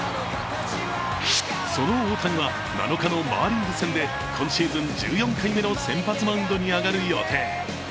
その大谷は７日のマーリンズ戦で今シーズン１４回目の先発マウンドに上がる予定。